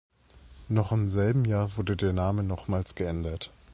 Noch im selben Jahr wurde der Name nochmals geändert.